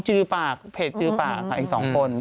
จือปากเพจจือปากค่ะอีก๒คน